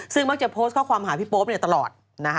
ซึ่งมักจะโพสต์ข้อความหาพี่โป๊ปตลอด